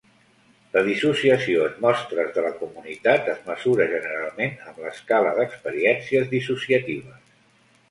La dissociació en mostres de la comunitat es mesura generalment amb l'Escala d'Experiències Dissociatives.